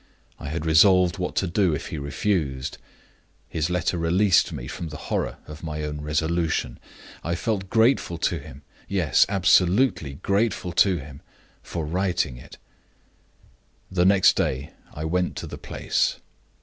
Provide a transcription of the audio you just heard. I had resolved what to do if he refused; his letter released me from the horror of my own resolution. I felt grateful to him yes, absolutely grateful to him for writing it. "The next day I went to the place.